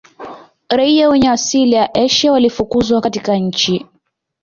Raia wenye asili ya Asia walifukuzwa katika nchi